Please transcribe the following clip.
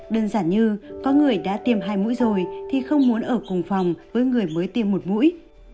đơn giản như có người đã tiêm hai mũi rồi thì không muốn ở cùng phòng với người mới tiêm một mũi